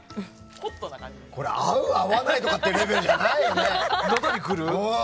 合う、合わないというレベルじゃないよね。